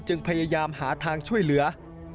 พยายามหาทางช่วยเหลือ